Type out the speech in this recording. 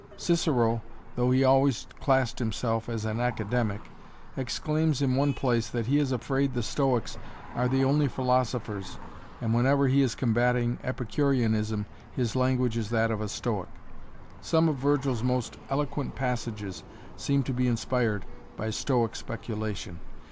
Cicero, though he always classed himself as an Academic, exclaims in one place that he is afraid the Stoics are the only philosophers, and whenever he is combating Epicureanism his language is that of a Stoic. Some of Vergil's most eloquent passages seem to be inspired by Stoic speculation.